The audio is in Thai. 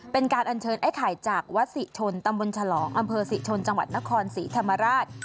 เป็นการอัญเชิญไอ้ไข่จากวัดศรีชนตำบลฉลองอำเภอศรีชนจังหวัดนครศรีธรรมราช